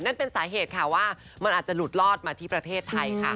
นั่นเป็นสาเหตุค่ะว่ามันอาจจะหลุดลอดมาที่ประเทศไทยค่ะ